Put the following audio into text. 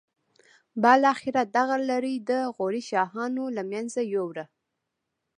بالاخره دغه لړۍ د غوري شاهانو له منځه یوړه.